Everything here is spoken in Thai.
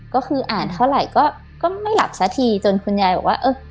ก็คืออ่านเท่าไหร่ก็ไม่หลับสักทีจนคุณยายบอกว่าเออ